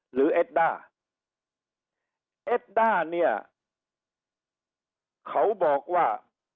หรือเอ็ดด้าเนี่ยเขาบอกว่า